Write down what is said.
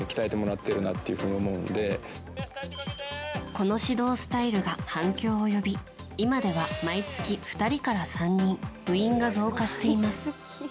この指導スタイルが反響を呼び今では、毎月２人から３人部員が増加しています。